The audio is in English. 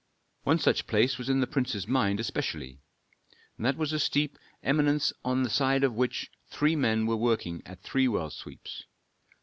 One such place was in the prince's mind especially. That was a steep eminence on the side of which three men were working at three well sweeps.